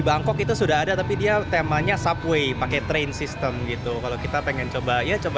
bangkok itu sudah ada tapi dia temanya subway pakai train system gitu kalau kita pengen coba ya coba